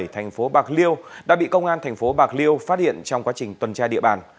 thành phố bạc liêu đã bị công an thành phố bạc liêu phát hiện trong quá trình tuần tra địa bàn